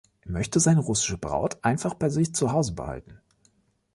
Er möchte seine russische Braut einfach bei sich zuhause behalten.